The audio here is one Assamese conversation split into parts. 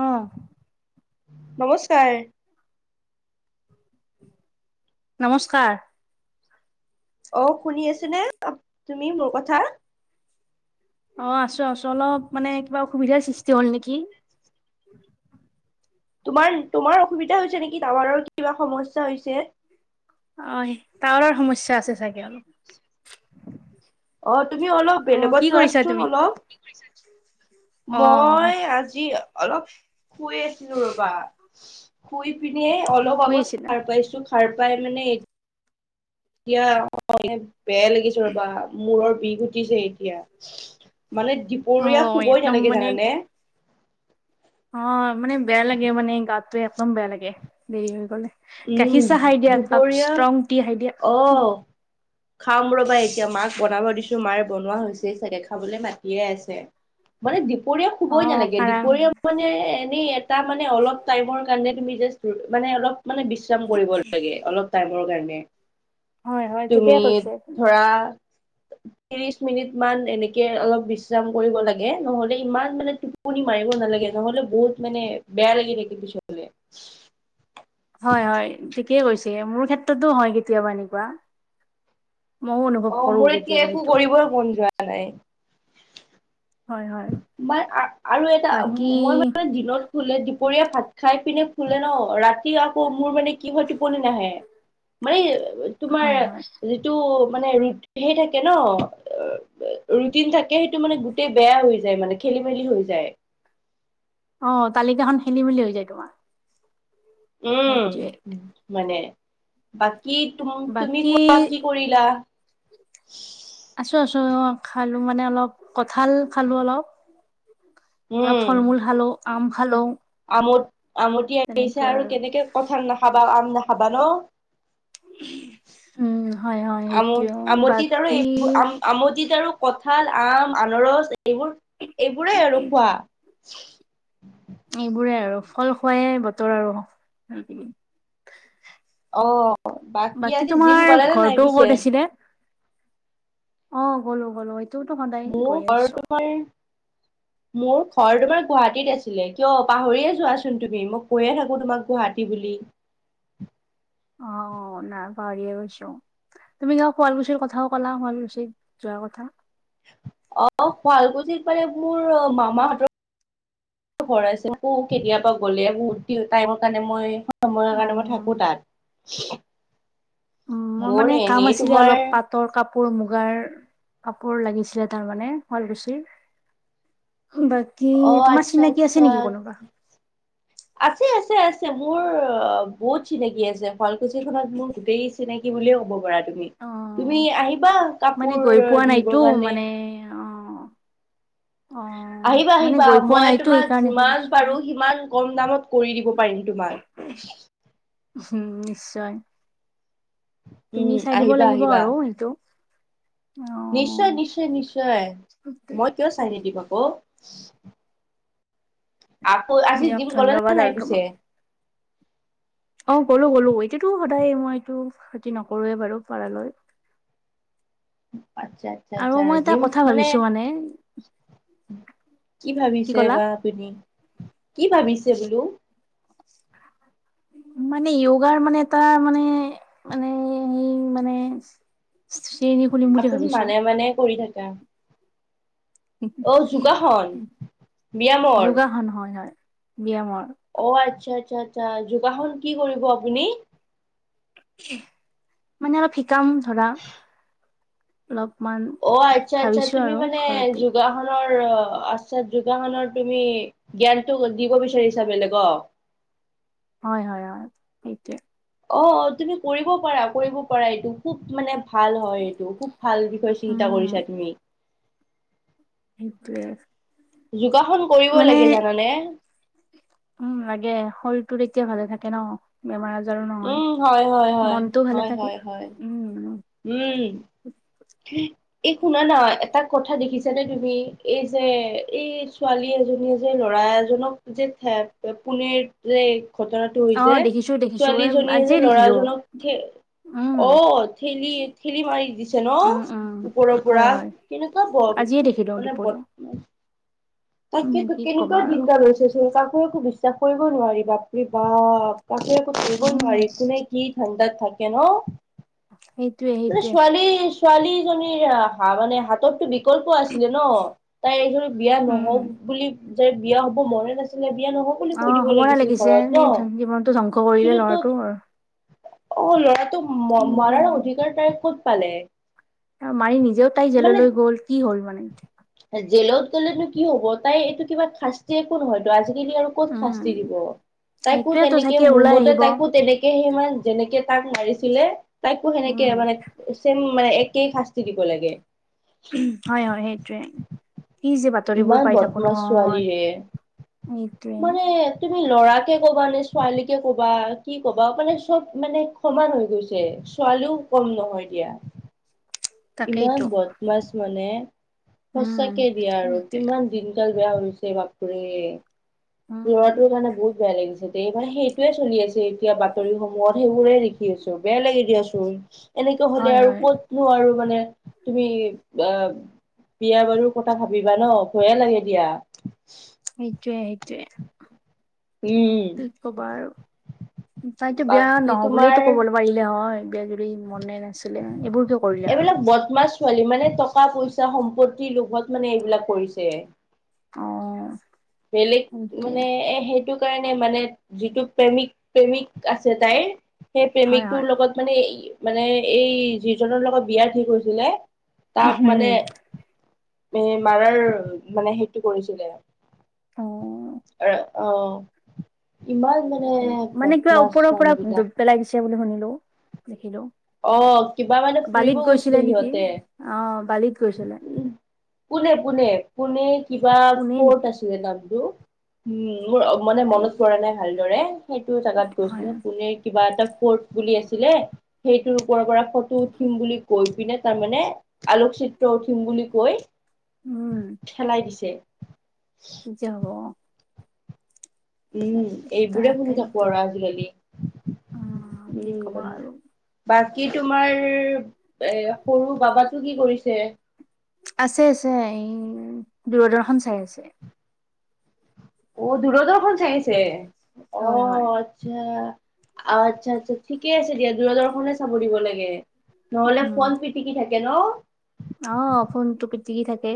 আহ। নমস্কাৰ। নমস্কাৰ। অ শুনি আছ নে তুমি মোৰ কথা অ, আছো আছো অলপ মানে কিবা অসুবিধাৰ সৃষ্টি হল নেকি? তোমাৰ, তোমাৰ অসুবিধা হৈছে নেকি টাৱাৰৰ কিবা সমস্যা হৈছে। অ টাৱাৰৰ সমস্যা আছে চাগে অলপ অ তুমি অলপ অ বেলেগত কি কৰিছা যোৱাচোন তুমি অলপ অ মই আজি অলপ শুই আছিলো ৰবা। শুই পিনে অলপ শুই আগত আছিলা সাৰ পাইছো সাৰ পাই মানে এতিয়া বেয়া লাগিছে ৰ'বা মূৰৰ বিষ উটিছে এতিয়া মানে অ দুপৰীয়া শুবই একদম তেনেকে মানে জানানে। অ, মানে বেয়া লাগে মানে গাতটোে একদম বেয়া লাগে দেৰি হৈ গলে। গাখীৰ উম চাহ খাই দিয়া কাপ দুপৰীয়া ষ্ট্ৰং টি খাই দিয়া। অ খাম ৰ'বা এতিয়া মাক বনাব দিছো। তোমাৰ বনোৱা হৈছেই চাগে খাবলৈ মাতিয়ে আছে মানে দুপৰীয়া অ শুবই নালাগে কাৰা দুপৰীয়া মানে এনে এটা মানে অলপ টাইমৰ কাৰণে তি মানে অলপ মানে বিশ্ৰাম কৰিব লাগে অলপ টাইমৰ কাৰণে হয় হয় ঠিকে তুমি কৈছে। ধৰা ত্ৰিশ মিনিট মান এনেকে অলপ বিশ্ৰাম কৰিব লাগে নহলে ইমান মানে টোপনি মাৰিব নালাগে। নালাগে, নহলে বহুত মানে বেয়া লাগি থাকে পিছলে, [inaudible] হয় হয় ঠিকেই কৈছে মোৰ ক্ষেত্ৰতো হয় কেতিয়াবা এনেকুৱা। ময়ও অনুভৱ অ কৰো মোৰ এতিয়া কেতিয়াবা একো সেইটো। কৰিবই মন যোৱা নাই হয় হয়। মই আৰু এটা বাকী মই মানে দিনত খুলে দুপৰীয়া ফ খাই পিনে ফুলে ন ৰাতি আকৌ মোৰ মানে কি হয় টোপনি নাহে মানে। তোমাৰ হয় হয় যিটো মানে ৰুট সেই থাকে ন ৰুটিন থাকে সেইটো মানে গোটেই বেয়া হৈ যায় মানে খেলি মেলি হৈ যায়। অ' তালিকাখন খেলি মেলি হৈ যায় তোমাৰ। উম সেইটোৱে মানে বাক কী তুম - তুমি বাকী কোৱা কি কৰিলা? আছোঁ আছোঁ। অ' খালো মানে অলপ কঠাল খালো অলপ। অলপ উম ফল মূল খালো আম খালো। আমত - আমতি আহিছে আৰু কেনেকে কঠাল নাখাবা, আম নাখাবা ন? উম হয় হয় সেইটোৱে আমত- আমতিত আৰু বাকী এইবোৰ আম‌- আমতিত আৰু কঠাল, আম, আনৰচ এইবোৰ - এইবোৰেই আৰু খোৱা। এইবোৰে আৰু ফল খোৱায়ে বতৰ আৰু। অ বাকী আজি জিম তোমাৰ গলা নে নাই ঘৰটো পিছে ক'ত আছিলে? অ' গ'লো গ'লো। এইটোতো সদায় গৈ মোক আৰু আছো তোমাৰ মোৰ ঘৰ তোমাৰ গুৱাহাটীত আছিলে কিয় পাহৰিয়ে যোৱাচোন তুমি মই কৈয়ে থাকো তোমাক গুৱাহাত টী বুলি। অ' নাই পাহৰিয়ে গৈছো। তুমি কিবা শুৱালকুছিৰ কথাও ক'লা শুৱালকুছিক যোৱাৰ কথা। অ' শুৱালকুছিত মানে মোৰ মামা হঁতৰ ঘৰ আছে। মোকৌ কেতিয়াবা গ'লে বহুত টাইমৰ কাৰণে মই সময়ৰ কাৰণে মই অ থাকো তাত। উম, মোৰ মানে কাম এনেই আছিলে তোমাৰ অলপ পাটৰ কাপোৰ, মুগাৰ। কাপোৰ লাগিছিলে তাৰমানে, শুৱালকুছিৰ। বাকী অ তোমাৰ আচ্ছা চিনাকি আছে আচ্ছা নেকি কোনোবা? আছে আছে, আছে। মোৰ অ বহুত চিনাকি আছে। শুৱালকুছি খনত মোৰ গোটেই চিনাকি বুলিয়ে ক'ব পাৰা। তুমি, অ', তুমি আহিবা মানে কাপোৰ গৈ পোৱা নাইতো নিবৰ কাৰণে। মানে অ', অ'। আহিবা মানে আহিবা, গৈ পোৱা মই নাইতো তোমাক সেইকাৰণে যিমান সুধিছো আৰু। পাৰো সিমান কম দামত কৰি দিব পাৰিম তোমাক। [inaudible] উম, নিশ্চয়। উম তুমি চাই দিব আহিবা লাগিব আহিবা আৰু সেইটো। অ', নিশ্চয়, নিশ্চয়, নিশ্চয। মই কিয় চাই নিদিম আকৌ। আকৌ, আজি দিয়ক জিম গলা নে ধন্যবাদ নাই আৰু পিছে? তোমাক। অ গ'লো, গ'লো। এইটোতো সদায় মই এইটো ক্ষতি নকৰোৱে বাৰু পাৰালৈ। [inaudible] আচ্ছা, আচ্ছা, আৰু আচ্ছা। মই এটা জিম কথা মানে ভাবিছো কি ভাবিছে বা আপুনি কি ভাবিছ? ছে বোলো। মানে, য়োগাৰ মানে এটা মানে, মানে সেই মানে শ্ৰেণী খুলিম বুলি আপুনি ভাবিছো! মানে মানে [unintelligible] অ যোগাসন ব্যায়ামৰ যোগাসন হয় হয়। ব্যায়ামৰ। অ' আচ্ছা, আচ্ছা, আচ্ছা। যোগাসন কি কৰিব আপুনি? মানে অলপ শিকাম ধৰা অলপ। অ' আচ্ছা, আচ্ছা। তুমি মানে ঘৰতে যোগাসনৰ [unintelligible] আচ্ছা যোগাসনৰ তুমি জ্ঞানটো দিব বিচাৰিছা বেলেগক? হয়, হয়, হয়। সেইটোৱে। অ' তুমি কৰিব পাৰা কৰিব পাৰা এইটো খুব মানে ভাল হয় এইটো। খুব ভাল বিষয়ে চিন্তা উম কৰিছা তুমি। সেইটোৱে। যোগাসন কৰিব মানে লাগে জানানে উম লাগে। শৰীৰ তো তেতিয়া ভালে থাকে ন, বেমাৰ আজ উম', হয়, থাকে হয়। উম এই শুনা না এটা কথা দেখিছানে তুমি? এই যে এই ছোৱালী এজনী যে ল'ৰা এজনক যে পনীৰ যে ঘটনাটো অ হৈছে। দেখিছো দেখিছো এ ছোৱালীজনীয়ে যে আজিয়ে দেখিলো ল'ৰাজনক উম অ', ঠেলি, ঠেলি মাৰি দিছে। ন উম উম ওপৰৰ হয় পৰা। হয় কেনেকুৱা আজিয়ে দেখিলো মানে ব দুপৰীয়া উম, তাকে তো কি কেনেকুৱা ক'বা আৰু চিন্তা লৈছ চোন কাকো একো বিশ্বাস কৰিব নোৱাৰি, বাপৰি বাপ। কাকো আকৌ ধৰিব উম, নোৱাৰি কোনে কি ঠাণ্ডাত থাকে ন? উ মানে ছোৱালী, ছোৱালীজনীৰ মানে হাতত বি বিকল্প আছিলে ন তাই এই ধৰি বিয়া উম। নহওক বুলি যাই বিয়া হব মনে নাছিল। বিয়া নহ বুলি কৈ অ', দিব সমৰা লাগিছিল লাগিছে ঘৰত এনে ন। জীৱনটো ধ্বংস কৰিলে কিন্তু ল'ৰাটো ত অ' ল'ৰাটো সেইটোৱে। মৰাৰ অধিকাৰ তাই ক'ত পালে? ত'মাৰি নিজেও তাই মানে জেললৈ গ'ল, কি হ'ল মানে। জেলত গ'লেনো কি হ'ব তাই এইটো কিবা শাস্তি একো নহয়তো আজি কালি আৰু ক'ত উম। শাস্তি দিব? তাইকো সেইটোৱেতো তেনেকে চাগে মোৰ ওলাই মতে আহিব তাইকো তেনেকে সিমান যেনেকে তাক মাৰিছিলে তাইকো উম, সেনেকে মানে চেম মানে একেই শাস্তি দিব লাগে। উ হয় হয় সেইটোৱে ই যে বাতৰিবোৰ ইমান পাই থাকো বদমাছ নহয় ছোৱালীৰে এইটোৱেই মানে তুমি লৰাকে কবা নে ছোৱালীকে কবা কি কবা মানে চব মানে সমান হৈ গৈছে। ছোৱালীও কম নহয় দিয়া। ইমান তাকেইতো বদমাছ মানে উম, সচাকে দিয়া আৰু সেইটোৱে কিমান দিন বেয়া হৈছে বাপৰে উম। ল'ৰাটোৰ কাৰণে বহুত বেয়া লাগিছে সেইটোৱে চলি আছে এতিয়া বাতৰি সমূহত সেইবোৰে দেখি? বেয়া লাগে দিয়া চোন এনেকুৱা হলে হয় আৰু হয় ক'তনো আৰু মানে তুমি বা বিয়া বাৰু কথা ভাবিবা ন ভয়ে লাগে দিয়া। সেইটোৱে সেইটোৱে। উম ত কবা আৰু তাইতো বিয়া বাকী নহও বুলিটো তোমাৰ কবলৈ পাৰিলে হয় বিয়া দি মনে নাছিলে এইবোৰ কে কৰিলে আৰু এইবিলাক বদমাছ ছোৱালী মানে টকা পইচা সম্পত্তি লোভত মানে এইবিলাক কৰিছে। অ বেলেগ সেইটোৱে মানে এ সেইটো। কাৰণে মানে যিটো প্ৰেমিক প্ৰেমিক আছে তাইৰ সেই হয় হয়। প্ৰেমিকটোৰ লগত মানে মানে এই যিজনৰ লগত বিয়াৰ ঠিক হৈছিলে তাক মানে উম। এ মাৰাৰ মানে সেইটো কৰিছিলে। অ', অ ইমান মানে ত মানে কিবা বদমাছ ওপৰৰ পৰা মানুহ ডুব বিলাক পেলাই দিছে বুলি শুনিলো দেখিলো অ কিবা মানে বালিত ফুৰিব গৈছিলে নেকি? সিহঁতে অ', বালিত গৈছিলে পোনে পোনে পোনে কিবা পোনে ফৰ্ট নেকি আছিলে নামটো উম মোৰ মানে তাকে মনত পৰা নাই ভালদৰে সেইটো জেগাত হয় গৈছিলে পুনে কিবা এটা পৰ্ট বুলি আছিলে। সেইটোৰ ওপৰৰ পৰা ফটো উঠিম বুলি কৈ পিনে তাৰমানে আলোকচিত ফুটো উঠিম বুলি কৈ ঠেলাই দিছে। যাব। উম এইবোৰে শুনি থাকো তাকেইতো আৰু আজিকালি অ', কি ক'বা উম আৰু। বা কি তোমাৰ এ সৰু বাবাতো কি কৰিছে। আছে আছে দূৰদৰ্শন চাই আছে। অ দূৰদৰ্শন চাই আছে অ হয় হয়। আটছা। অ, আচ্ছা আচ্ছা ঠিকে আছে দিয়া দূৰদৰ্শনে চাব দিব লাগে। নহ'লে উম, ফোন পিটিকি থাকে ন। অ ফোনটো পিটিকি থাকে।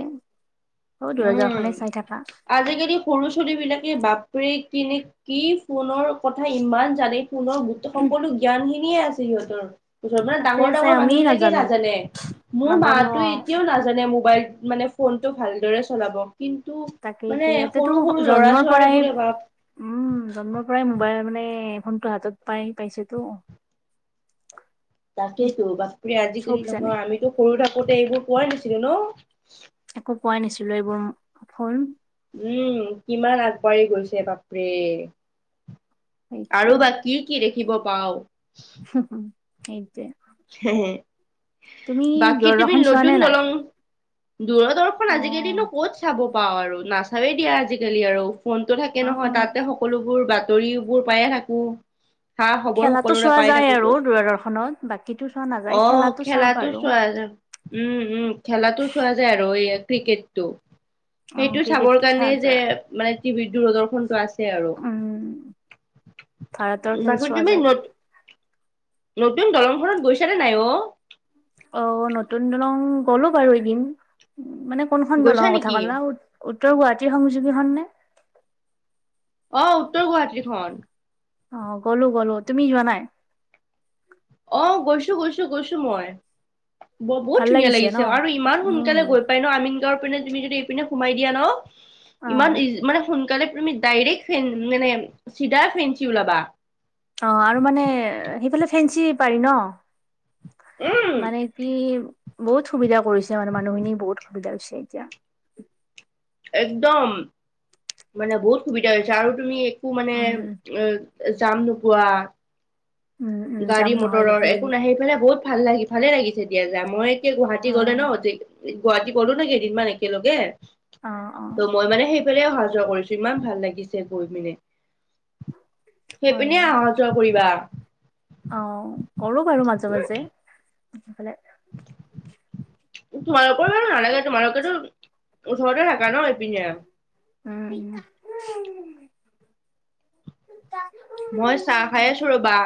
অ', উম দূৰদৰ্শনে চাই থাকা। আজিকালি। সৰু ছোৱালীবিলাকে বাপৰে কেনে কি ফোনৰ কথা ইমান জানে। ফোনৰ সকলো জ্ঞানখিনিয়ে আছে সিহঁতৰ। জনা আছে ডাঙৰ আছে ডাঙৰ আমি মানুহ বিলাকে নাজানো নাজানে, মোৰ নাজানো মাতো অ'। এতিয়াও নাজানে মোবাইল। মানে ফোনটো ভালদৰে চলাব। কিন্তু তাকেইতো মানে ইয়াতেতো সৰু সৰু ল'ৰা জন্মৰ ছোৱালী পৰাই বোৰে বাপ। উম, জন্মৰ পৰাই মোবাইল মানে ফোনটো হাতত পাই পাইছেতো। তাকেইতো বাপৰে আজিকালি চব জানে নহয় আমিতো সৰু থাকোতে এইবোৰ পোৱাই নাছিলো ন। একো পোৱাই নাছিলো এইবোৰ অ ফোন। উম কিমান আগবাঢ়ি গৈছে বাপৰে। আৰু সেইটোৱে বা কি কি দেখিব পাওঁ।। সেইটোৱে। তুমি বাকী তুমি দুৰদৰ্শন চোৱা নতুন নে নাই। দলং দূৰদৰ্শন অ আজিকালিনো ক'ত চাব পাওঁ আৰু নাচাবেই দিয়া আজিকালি আৰু। ফোনটো থাকে অ নহয়, তাতে সকলোবোৰ বাতৰিবোৰ পায়ে থাকো। সা খবৰ খেলাটো সকলোৰে চোৱা পাই যায় থাকো আৰু গৈ। দূৰদৰ্শনত বাকীতো চোৱা নাযায় অ চাওঁ খেলাটো বাৰু চোৱা যায় উম উম খেলাটো চোৱা যায় আৰু। ক্ৰিকেটটো। অ সেইটো ক্ৰিকেট চাবৰ খেলা কাৰণেই যে যায় মানে টিভিৰ দূৰদৰ্শনটো আছে আৰু। উম ভাৰতৰ খেল বখৰ চোৱা তুমি যায় নত নতুন দলংখনত গৈছানে নাই অ। অ, নতুন দলং গলো বাৰু এদিন। মানে কোনখন গৈছা দলংৰ কথা নেকি? ক'লা উ উত্তৰ গুৱাহাটীৰ সংযোগীখন নে। আহ উত্তৰ গুৱাহাটীখন। অ গ'লো গলো। তুমি যোৱা নাই? আহ গৈছো গৈছো গৈছো মই। বহুত ভাল ধুনীয়া ন? লাগিছে আৰু ইমান উম, সোনকালে গৈ পাই ন আমি পিনে তুমি যদি এইপিনে সোমাই দিয়া ন, ইমান অ' ই মানে সোনকালে তুমি ডাইৰেকট ফেন মানে চিধা ফেনচি ওলাবা। অ আৰু মানে সেইফালে ফেঞ্চি পাৰি ন। উম মানে কি বহুত সুবিধা কৰিছে মানে মানুহখিনি বহুত সুবিধা হৈছে এতিয়া। একদম মানে বহুত সুবিধা হৈছে আৰু তুমি। মানে উম, জাম নোপোৱা। উম, উম, গাড়ী যাম নহয় মটৰৰ একো গোটেইখিনিত নাই সেই পিনে বহুত ভাল লাগি ভালে লাগিছে দিয়া মই এতিয়া গুৱাহাটী গ'লে অ'। ন, গুৱাহাটী গলো ন কেইদিনমান একেলগে অ অ। ফালে অহা যোৱা কৰিছো ইমান ভাল লাগিছে গৈ পিনে হয় সেইপিনে হয় অহা যোৱা কৰিবা। অ, কৰো বাৰু মাজে মাজে সেইফালে। তোমাৰটো নালাগে তোমালোকেতো। ওচৰতে থকা ন এইপিনে। উম, উম। মই চাহ খাই আছো ৰবা।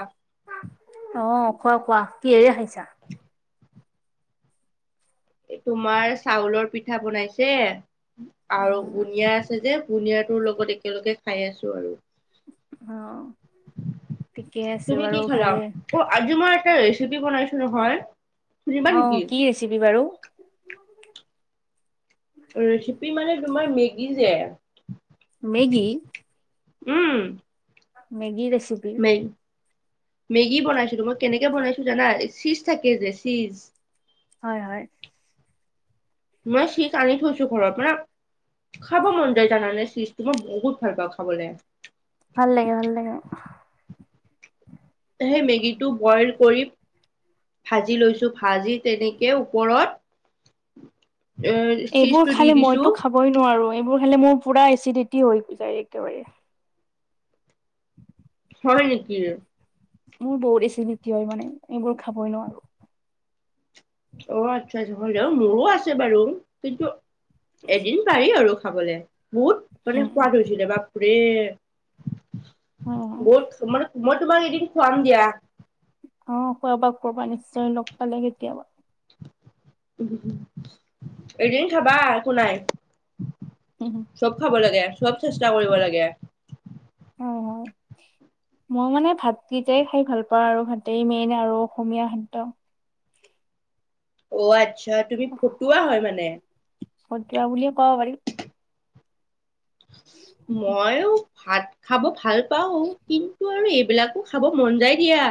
আহ খোৱা খোৱা কিহেৰে খাইছা? তোমাৰ চাউলৰ পিঠা বনাইছে। আৰু অ' বুনিয়া আছে যে বুন্দিয়াটোৰ লগত একেলগে খাই আছো আৰু। অ ঠিকে আছে তুমি কি বাৰু খালা ভালে অ আজি মই এটা ৰেচিপি বনাইচো নহয়। শুনিবা অ নেকি কি ৰেচিপি বাৰু? ৰেচিপি মানে তোমাৰ মেগী যে মেগি উম মেগি ৰেচিপি মেগ মেগী বনাইছিলো মই কেনেকে বনাইছো জানা চীজ থাকে যে চীজ হয় হয়। মই চিচ আনি থৈছো ঘৰৰ পৰা। খাব মন যায় জানা নাই চিজ মই বহুত ভাল পাওঁ খাবলৈ। ভাল লাগে, ভাল লাগে। সেই মেগীটো বইল কৰি ভাজি লৈছো ভাজি তেনেকে ওপৰত। এ এইবোৰ চীজটো দি খালে দিছো মইতো খাবই নোৱাৰোঁ এইবোৰ খালে মোৰ পুৰা এচিডিটি হৈ যায় একেবাৰে। [inaudible] হয় নেকি? মোৰ বহুত বেছি এচিডিটি হয় মানে এইবোৰ খাবই নোৱাৰোঁ। অ আচ্ছা আচ্ছা জৈৱন জৰ মোৰো আছে বাৰু কিন্তু এদিন পাৰি আৰু। খাবলৈ, বহুত মানে সোৱাদ হৈছিলে বাৰ্বেৰে উম বহুত মানে মই তোমাক এদিন খোৱাম দিয়া অ খোৱাবা খোৱাবা নিশ্চয় লগ পালে কেতিয়াবা এদিন খাবা একো নাই হয় চব খাব লাগে, চব চেষ্টা কৰিব লাগে হয়, হয়, মই মানে ভাতকেইটাই খাই ভাল পাওঁ আৰু ভাতেই মেইন আৰু অসমীয়া খাদ্য। অ আচ্ছা তুমি খকোৱা হয় মানে খকোৱা বুলিয়ে কব পাৰি। মইও ভাত খাব ভাল পাও কিন্তু আৰু এই এই বিলাকো খাব মন যায় দিয়া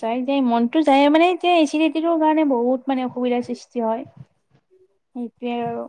যায় দেই মনটো যায় মানে এতিয়া ইচিডিটিটোৰ কাৰণে বহুত মানে অসুবিধাৰ সৃষ্টি হয়। সেইটো আৰু।